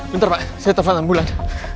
bentar pak saya telepon ambulan